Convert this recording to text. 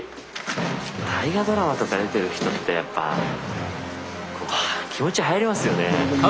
大河ドラマとか出てる人ってやっぱ気持ち入りますよね。